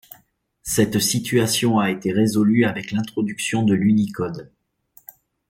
Cette situation a été résolue avec l'introduction de l'Unicode.